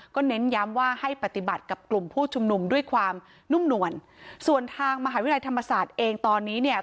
เน้นย้ำว่าให้ปฏิบัติกับกลุ่มผู้ชุมนุมด้วยความนุ่มนวลส่วนทางมหาวิทยาลัยธรรมศาสตร์เองตอนนี้เนี่ย